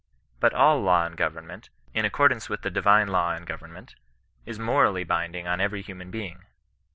But all law and government, in accordance with the divine law and government, is morally binding on every human being.